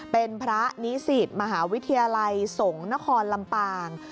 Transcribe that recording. เป็นพระนิสิตมหาวิทยาลัยสงฆ์นครลำปาง